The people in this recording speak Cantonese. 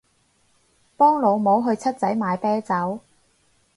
幫老母去七仔買啤酒